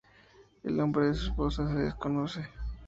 El nombre de su esposa se desconoce.